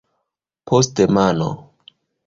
Poste mano.